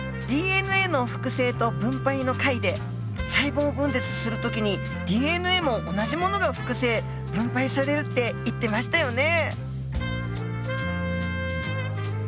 ＤＮＡの複製と分配の回で細胞分裂する時にＤＮＡも同じものが複製分配されるって言ってましたよね！